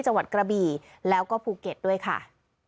จังหวัดกระบี่แล้วก็ภูเก็ตด้วยค่ะ